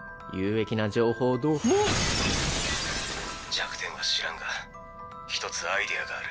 弱点は知らんが１つアイデアがある。